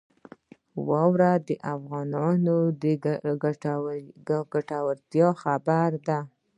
واوره د افغانانو د ګټورتیا برخه ده.